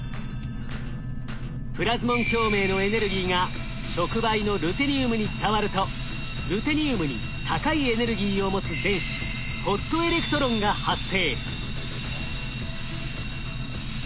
プラズモン共鳴のエネルギーが触媒のルテニウムに伝わるとルテニウムに高いエネルギーを持つ電子ホットエレクトロンが発生。